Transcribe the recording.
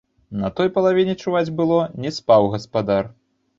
На той палавіне, чуваць было, не спаў гаспадар.